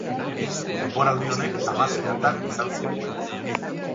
Denboraldi honek hamasei atal izan zituen.